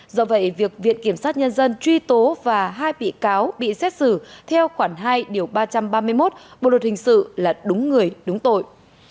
do vậy việc viện kiểm sát nhân dân truy tố và hai bị cáo bị xét xử theo khoản hai điều ba trăm ba mươi một bộ luật hình sự là đúng người đúng tội